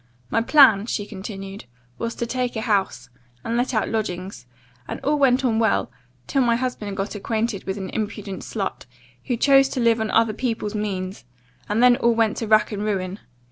My plan,' she continued, 'was to take a house, and let out lodgings; and all went on well, till my husband got acquainted with an impudent slut, who chose to live on other people's means and then all went to rack and ruin.